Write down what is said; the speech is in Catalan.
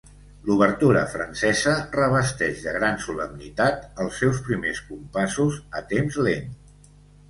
L'obertura francesa revesteix de gran solemnitat els seus primers compassos a temps lent.